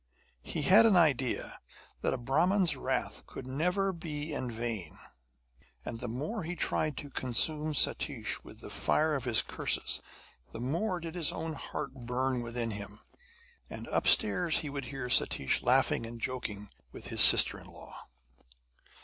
He had an idea that a Brahmin's wrath could never be in vain; and the more he tried to consume Satish with the fire of his curses, the more did his own heart burn within him. And upstairs he would hear Satish laughing and joking with his sister in law.